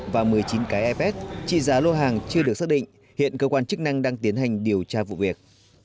và một mươi chín cái ipad trị giá lô hàng chưa được xác định hiện cơ quan chức năng đang tiến hành điều tra vụ việc